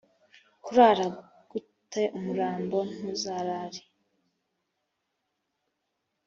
kurara gut umurambo ntuzarare